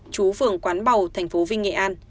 chú phường quán bầu thành phố vinh nghệ an